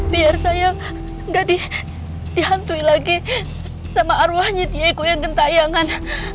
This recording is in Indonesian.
biar saya gak dihantui lagi sama arwahnya tiayu koyang gentayangan